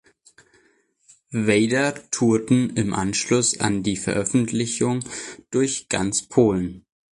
Vader tourten im Anschluss an die Veröffentlichung durch ganz Polen.